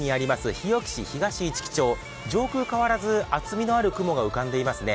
日置市東市来町、上空変わらず厚みのある雲が浮かんでいますね。